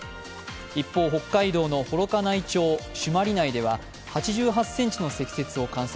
一方、北海道の幌加内町朱鞠内では８８ｃｍの積雪を観測。